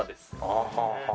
はあはあはあ。